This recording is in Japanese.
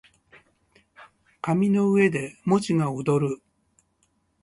紙の上で文字が躍る